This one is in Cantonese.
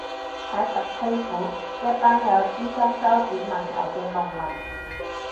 喺佛丕府，一班有資金周轉問題嘅農民